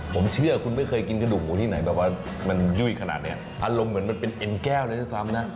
ผมเชื่อคุณไม่เคยกินกระดูกหมูที่ไหนแบบว่ามันยุ่ยขนาดนี้อารมณ์เหมือนมันเป็นเอ็นแก้วเลยด้วยซ้ำนะ